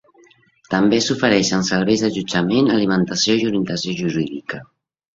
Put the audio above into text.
També s'ofereixen serveis d'allotjament, alimentació i orientació jurídica.